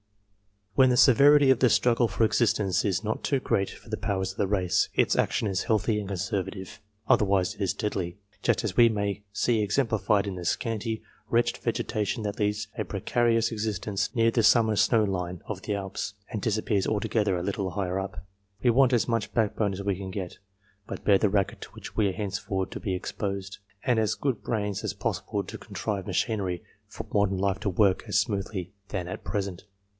When the severity of the struggle for existence is not too great for the powers of the race, its action is healthy and conservative, otherwise it is deadly, just as we may see exemplified in the scanty, wretched vegetation that leads a precarious existence near the summer snow line of the Alps, and disappears altogether a little higher up. We want as much backbone as we can get, to bear the racket to which we are henceforth to be exposed, and as good brains as possible to contrive machinery, for modern life to work more smoothly than at present.